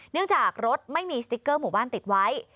เนื่องจากรถไม่มีสติ๊กเกอร์หมู่บ้านติดไว้